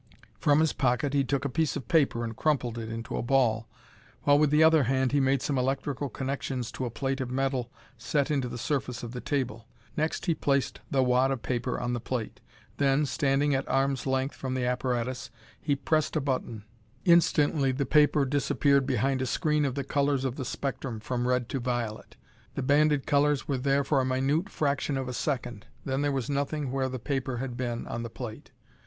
From his pocket he took a piece of paper and crumpled it into a ball while, with the other hand, he made some electrical connections to a plate of metal set into the surface of the table. Next he placed the wad of paper on the plate. Then, standing at arm's length from the apparatus, he pressed a button. Instantly the paper disappeared behind a screen of the colors of the spectrum, from red to violet. The banded colors were there for a minute fraction of a second. Then there was nothing where the paper had been on the plate.